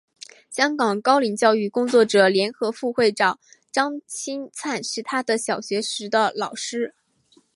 香港高龄教育工作者联会副会长张钦灿是他小学时的老师。